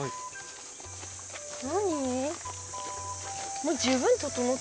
何？